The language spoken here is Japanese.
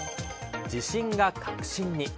自信が確信に。